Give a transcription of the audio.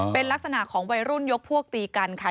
เป็นลักษณะของวัยรุ่นยกพวกตีกันค่ะ